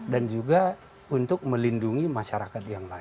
dan juga untuk melindungi masyarakat yang lain